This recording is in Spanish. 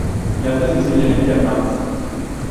Plantas visiblemente armadas.